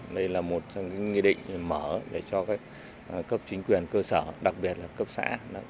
đây là một trong những nghị định mở để cho các chính quyền cơ sở đặc biệt là cấp xã